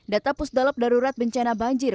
data pusdalop darurat bencana banjir